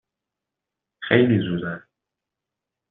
خیلی زود است.